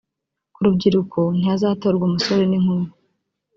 Ku rubyiruko ntihazatorwa umusore n’inkumi